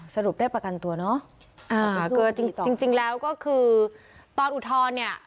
สรุปได้ประกันตัวเนอะอ่าคือจริงจริงแล้วก็คือตอนอุทธรณ์เนี่ย